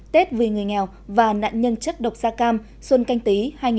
tết vì người nghèo và nạn nhân chất độc gia cam xuân canh tý hai nghìn hai mươi